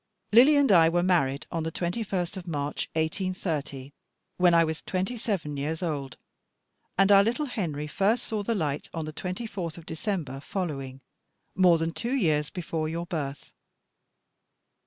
Lily and I were married on the 21st of March, 1830, when I was twenty seven years old: and our little Henry first saw the light on the 24th of December following, more than two years before your birth.